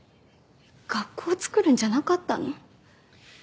学校を作るんじゃなかったの？